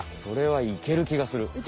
これはいけるきがする。